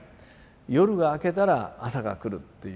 夜が明けたら朝が来るっていう。